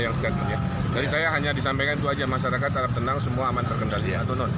jadi saya hanya disampaikan itu saja masyarakat tenang semua aman terkendali